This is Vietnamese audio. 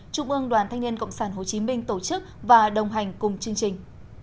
trung ương đoàn thanh niên cộng sản hồ chí minh tổ chức và đồng hành cùng chương trình